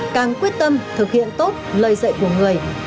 càng quyết tâm thực hiện tốt lời dạy của người